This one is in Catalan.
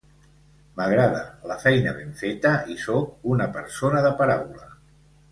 M'agrada la feina ben feta i soc una persona de paraula.